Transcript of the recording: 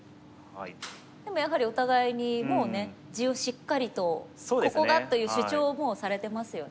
でもやはりお互いに地をしっかりと「ここが」という主張をもうされてますよね。